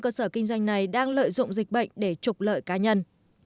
cơ sở kinh doanh này đang lợi dụng dịch bệnh để trục lợi cá nhân